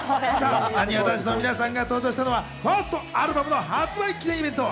なにわ男子の皆さんが登場したのはファーストアルバムの発売記念イベント。